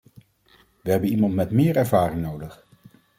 We hebben iemand met meer ervaring nodig.